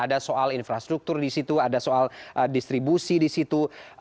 di situ ada soal distribusi di situ